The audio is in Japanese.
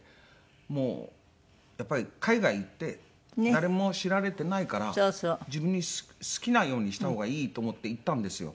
もうやっぱり海外行って誰も知られてないから自分に好きなようにした方がいいと思って行ったんですよ。